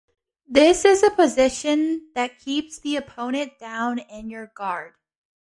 This is a position that keeps the opponent down in your guard.